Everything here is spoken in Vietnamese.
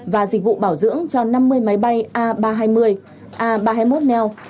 và dịch vụ bảo dưỡng cho năm mươi máy bay a ba trăm hai mươi a ba trăm hai mươi một neo